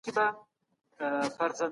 ستر مدنیتونه کنډوالې سوي دي